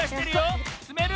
つめる？